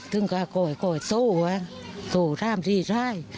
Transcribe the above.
ถึงกะกดกดโตะตัวร่ามสิทธิ์ร่าย